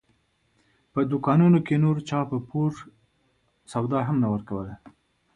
په دوکانونو کې نور چا په پور سودا هم نه ورکوله.